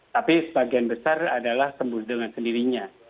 tapi sebagian besar adalah sembuh dengan sendirinya